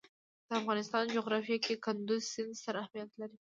د افغانستان جغرافیه کې کندز سیند ستر اهمیت لري.